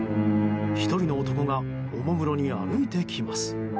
１人の男がおもむろに歩いてきます。